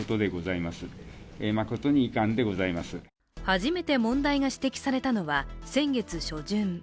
初めて問題が指摘されたのは先月初旬。